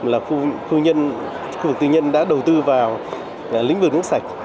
là khu vực tư nhân đã đầu tư vào lĩnh vực nước sạch